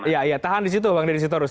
iya iya tahan di situ bang dedy sitorus